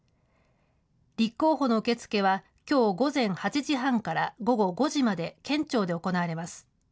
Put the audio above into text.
立候補の受け付けはきょう午前８時半から午後５時まで、県庁で行われます。